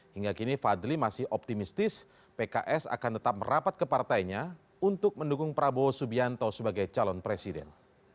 hingga kini fadli masih optimistis pks akan tetap merapat ke partainya untuk mendukung prabowo subianto sebagai calon presiden